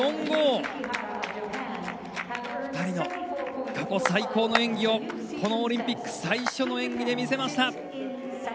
２人の過去最高の演技をこのオリンピック最初の演技で見せました。